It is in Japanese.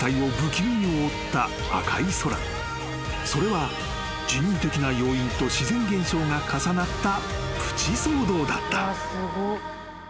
［それは人為的な要因と自然現象が重なったプチ騒動だった］